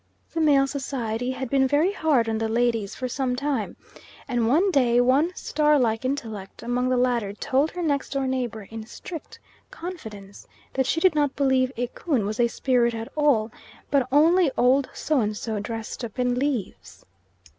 The male society had been very hard on the ladies for some time, and one day one star like intellect among the latter told her next door neighbour, in strict confidence, that she did not believe Ikun was a spirit at all, but only old So and so dressed up in leaves.